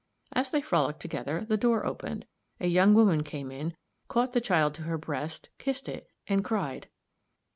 As they frolicked together, the door opened, a young woman came in, caught the child to her breast, kissed it, and cried.